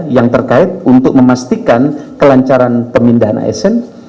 yang terkait untuk memastikan kelancaran pemindahan asn